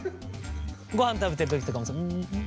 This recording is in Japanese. ごはん食べてるときとかもん？